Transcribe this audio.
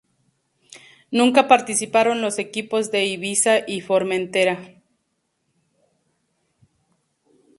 Nunca participaron los equipos de Ibiza y Formentera.